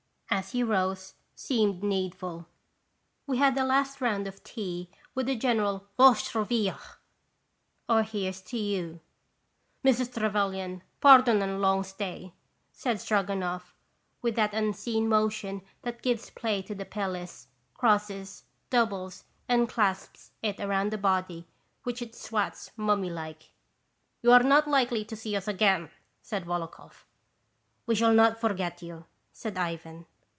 " as he rose, seem needful. We had a last round of tea with a general "Vosh durrivia!" (Here 's to you !) "Mrs. Trevelyan, pardon our long stay," said Stroganoff, with that unseen motion that gives play to the pelisse, crosses, doubles, and clasps it around the body, which it swathes mummy like. " You are not likely to see us again," said Volokhoff. " We shall not forget you," said Ivan.